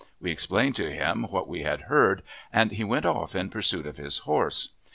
We explained to him what we had heard, and he went off in pursuit of his horse.